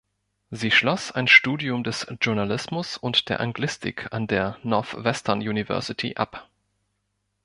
Sie schloss ein Studium des Journalismus und der Anglistik an der Northwestern University ab.